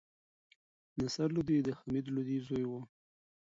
نصر لودي د حمید لودي زوی وو.